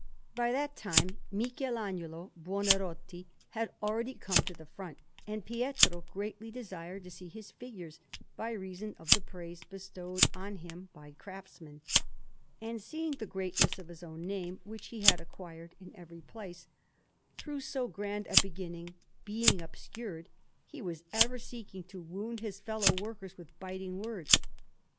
By that time Michelagnolo Buonarroti had already come to the front, and Pietro greatly desired to see his figures, by reason of the praise bestowed on him by craftsmen; and seeing the greatness of his own name, which he had acquired in every place through so grand a beginning, being obscured, he was ever seeking to wound his fellow workers with biting words.